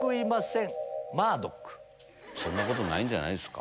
そんなことないんじゃないですか？